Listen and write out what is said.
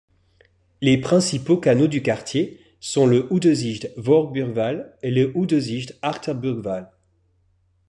Les principaux canaux du quartier sont le Oudezijds Voorburgwal et le Oudezijds Achterburgwal.